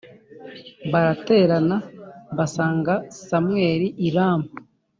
baraterana basanga Samweli i Rama